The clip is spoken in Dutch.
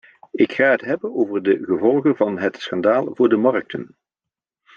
Ik ga het hebben over de gevolgen van het schandaal voor de markten.